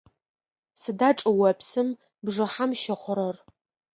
Сыда чӏыопсым бжыхьэм щыхъурэр?